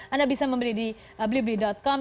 anda bisa membeli di blibli com